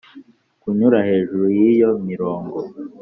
Kunyura hejuru y’iyo mirongo